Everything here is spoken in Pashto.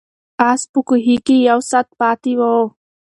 آس په کوهي کې یو ساعت پاتې و.